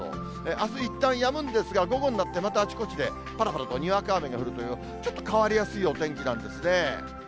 あすいったんやむんですが、午後になってまたあちこちでぱらぱらとにわか雨が降るという、ちょっと変わりやすいお天気なんですね。